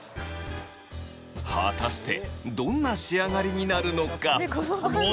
果たしてどんな仕上がりになるのか？